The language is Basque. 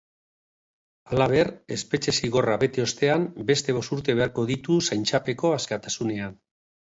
Halaber, espetxe zigorra bete ostean beste bost urte beharko ditu zaintzapeko askatasunean.